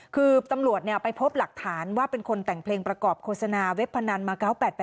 คือตำรวจไปพบหลักฐานว่าเป็นคนแต่งเพลงประกอบโฆษณาเว็บพนันมา๙๘๘